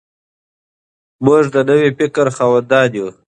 موږ د نوي فکر خاوندان یو.